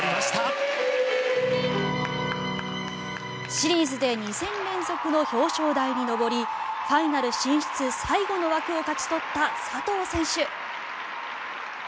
シリーズで２戦連続の表彰台に上りファイナル進出最後の枠を勝ち取った佐藤選手。